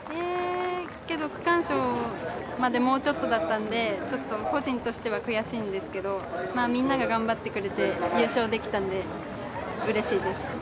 けど、区間賞までもうちょっとだったのでちょっと個人としては悔しいんですけど、みんなが頑張ってくれて優勝できたんで、うれしいです。